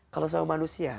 kalau sama manusia